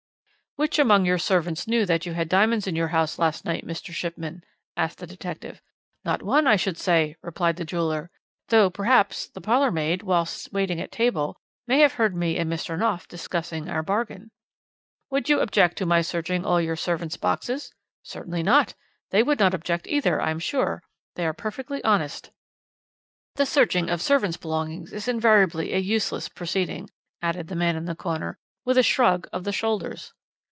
"'Which among your servants knew that you had the diamonds in your house last night, Mr. Shipman?' asked the detective. "'Not one, I should say,' replied the jeweller, 'though, perhaps, the parlourmaid, whilst waiting at table, may have heard me and Mr. Knopf discussing our bargain.' "'Would you object to my searching all your servants' boxes?' "'Certainly not. They would not object, either, I am sure. They are perfectly honest.' "The searching of servants' belongings is invariably a useless proceeding," added the man in the corner, with a shrug of the shoulders.